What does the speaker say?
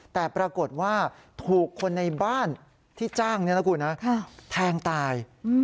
แต่ปรากฏว่าถูกคนในบ้านที่จ้างนี่นะคุณแทงตาย